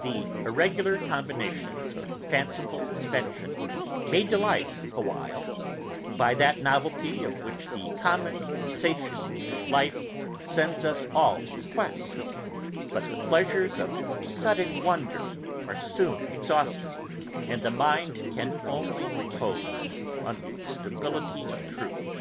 The irregular combinations of fanciful invention may delight a while, by that novelty of which the common satiety of life sends us all in quest; but the pleasures of sudden wonder are soon exhausted, and the mind can only repose on the stability of truth.